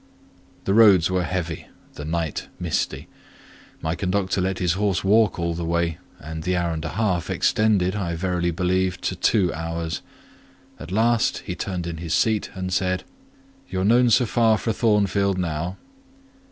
The roads were heavy, the night misty; my conductor let his horse walk all the way, and the hour and a half extended, I verily believe, to two hours; at last he turned in his seat and said— "You're noan so far fro' Thornfield now."